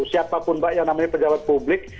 siapapun mbak yang namanya pejabat publik